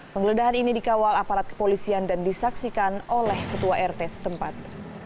penggeledahan ini dikawal aparat kepolisian dan disaksikan oleh ketua rt setempat